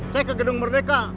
saya ke gedung merdeka